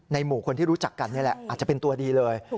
หมู่คนที่รู้จักกันนี่แหละอาจจะเป็นตัวดีเลย